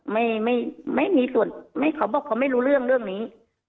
ไม่ไม่มีส่วนไม่เขาบอกเขาไม่รู้เรื่องเรื่องนี้